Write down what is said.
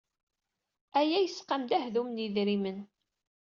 Aya yesqam-d ahdum n yidrimen.